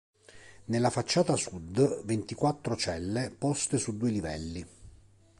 Nella facciata sud, ventiquattro celle poste su due livelli.